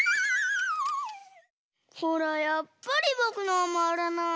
ほらやっぱりぼくのはまわらない！